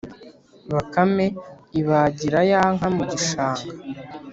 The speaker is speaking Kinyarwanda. Bakame ibagira ya nka mu gishanga